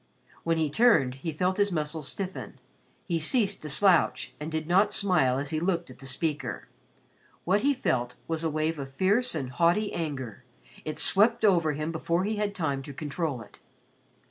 When he turned he felt his muscles stiffen. He ceased to slouch and did not smile as he looked at the speaker. What he felt was a wave of fierce and haughty anger. It swept over him before he had time to control it.